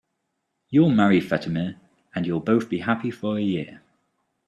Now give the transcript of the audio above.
You'll marry Fatima, and you'll both be happy for a year.